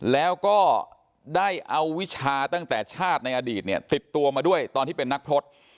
แล้วก็ได้เอาวิชาตั้งแต่ชาติในอดีตเนี่ยติดตัวมาด้วยตอนที่เป็นนักพรส